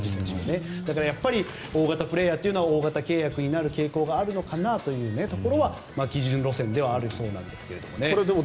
だから大型プレーヤーは大型契約になる傾向があるのかなというところは基準路線ということです。